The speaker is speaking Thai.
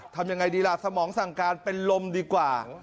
ทำยังไงดีล่ะสมองสั่งการเป็นลมดีกว่า